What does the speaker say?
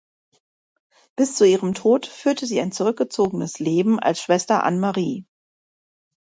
Bis zu ihrem Tod führte sie ein zurückgezogenes Leben als Schwester Anne-Marie.